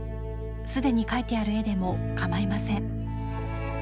すでに描いてある絵でもかまいません。